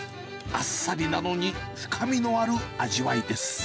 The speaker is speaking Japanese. あっさりなのに深みのある味わいです。